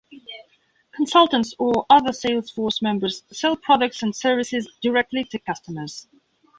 Consultants or other sales force members sell products and services directly to customers.